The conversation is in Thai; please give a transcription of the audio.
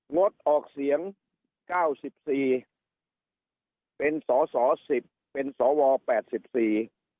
งดออกเสียงเก้าสิบสี่เป็นสอสอสิบเป็นสวแปดสิบสี่